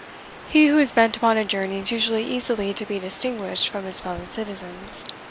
He who is bent upon a journey is usually easily to be distinguished from his fellow citizens.